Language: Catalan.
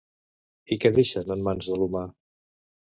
I què deixen en mans de l'humà?